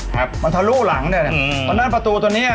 ครับมันทะลุหลังเนี้ยอืมเพราะฉะนั้นประตูตัวเนี้ย